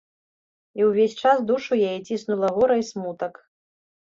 І ўвесь час душу яе ціснула гора і смутак.